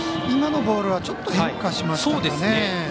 今のボールはちょっと変化しましたね。